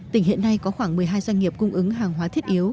tỉnh hiện nay có khoảng một mươi hai doanh nghiệp cung ứng hàng hóa thiết yếu